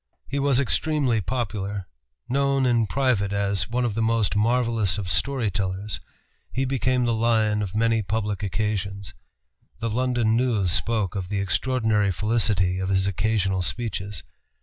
He was extremely popular. Known in private as "one of the most marvellous of story tellers," he became the lion of many public occasions. The London News spoke of the "Extraordinary felicity of his occasional speeches."